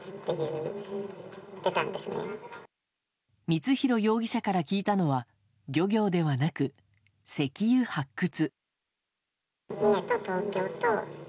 光弘容疑者から聞いたのは漁業ではなく石油発掘。